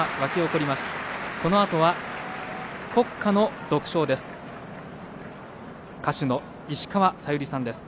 このあとは国歌の独唱です。